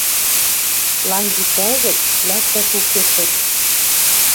Лангитӓ гӹц лӓктӓш уке ход.